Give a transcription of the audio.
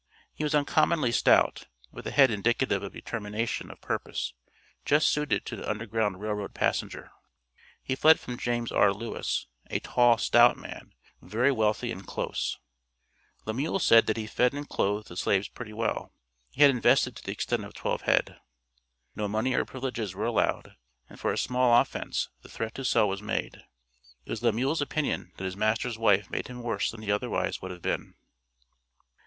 He was uncommonly stout, with a head indicative of determination of purpose, just suited to an Underground Rail Road passenger. He fled from James R. Lewis, "a tall, stout man, very wealthy and close." Lemuel said that he fed and clothed the slaves pretty well. He had invested to the extent of twelve head. No money or privileges were allowed, and for a small offence the threat to sell was made. It was Lemuel's opinion that his master's wife made him worse than he otherwise would have been.